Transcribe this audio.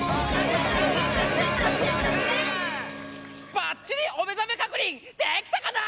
ばっちりおめざめ確認できたかな？